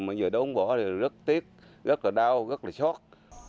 mà giờ đốm bỏ thì rất tiếc rất là đau rất là xót